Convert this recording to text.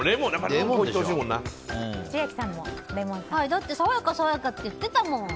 だって爽やか爽やかって言ってたもん。